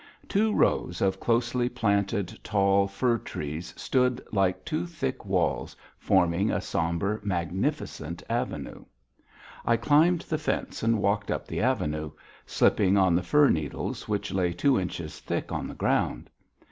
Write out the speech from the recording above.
Two rows of closely planted tall fir trees stood like two thick walls, forming a sombre, magnificent avenue. I climbed the fence and walked up the avenue, slipping on the fir needles which lay two inches thick on the ground.